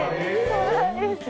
そうなんです。